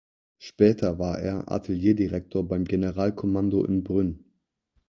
Später war er Artillerie-Direktor beim Generalkommando in Brünn.